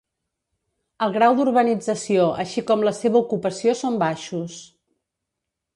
El grau d'urbanització així com la seva ocupació són baixos.